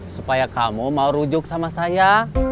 supaya kamu mau rujuk sama saya